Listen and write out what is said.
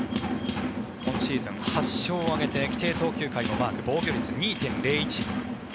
今シーズン８勝を挙げて規定投球回をマーク防御率、２．０１。